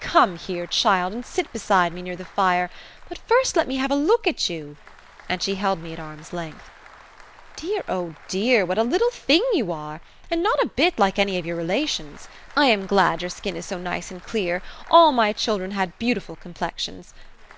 "Come here, child, and sit beside me near the fire; but first let me have a look at you," and she held me at arm's length. "Dear, oh, dear, what a little thing you are, and not a bit like any of your relations! I am glad your skin is so nice and clear; all my children had beautiful complexions.